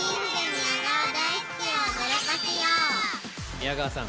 宮川さん！